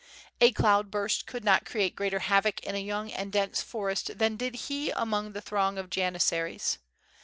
A cloudburst could not create greater havoc in a young and dense forest than did he among the throng of Janissaries.